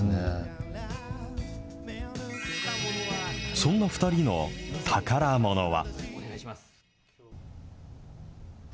そんな２人の宝ものは。